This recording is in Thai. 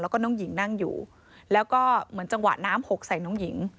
แล้วก็น้องหญิงนั่งอยู่แล้วก็เหมือนจังหวะน้ำหกใส่น้องหญิง